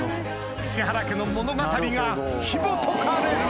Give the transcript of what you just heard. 石原家の物語がひもとかれる！